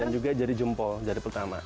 dan juga jari jempol jari pertama